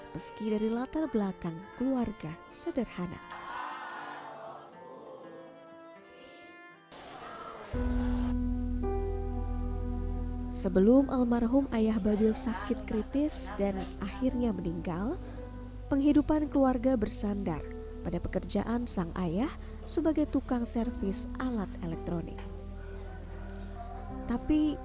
meski dari latar belakang keluarga sederhana